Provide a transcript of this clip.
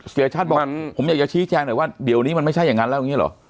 เสียชัดผมอยากชี้แชงเดี๋ยวสยงละวันไปเอง